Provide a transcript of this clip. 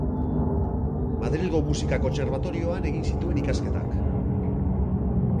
Madrilgo Musika Kontserbatorioan egin zituen ikasketak.